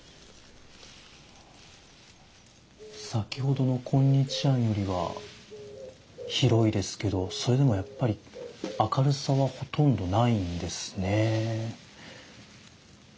先ほどの今日庵よりは広いですけどそれでもやっぱり明るさはほとんどないんですね。